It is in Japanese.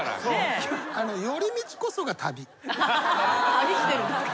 旅してるんですか？